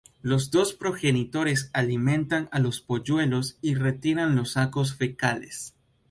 Los dos progenitores alimentan a los polluelos y retiran los sacos fecales.